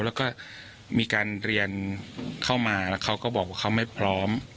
แล้วก็มีการเรียนเข้ามาแล้วเขาก็บอกว่าเขาไม่พร้อม